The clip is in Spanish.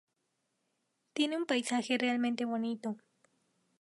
Tiene un paisaje realmente bonito.